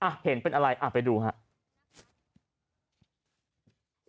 เห็นเป็นอะไรอ่ะไปดูครับ